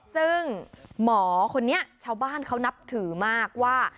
ซึ่งหมอคนนี้ชาวบ้านเขานับถือมากว่า